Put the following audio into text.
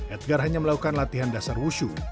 edgar hanya melakukan latihan dasar wushu